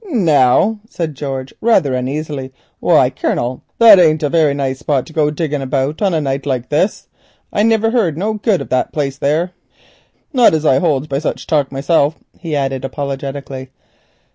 "Now?" said George rather uneasily. "Why, Colonel, that bain't a very nice spot to go digging about in on a night like this. I niver heard no good of that there place—not as I holds by sich talk myself," he added apologetically.